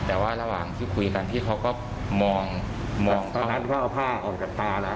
แต่ว่าระหว่างที่คุยกันพี่เขาก็มองเพราะฉะนั้นเขาเอาผ้าออกกับตาล่ะ